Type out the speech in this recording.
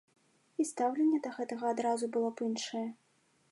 І стаўленне да гэтага адразу было б іншае.